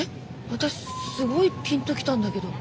私すごいピンと来たんだけど。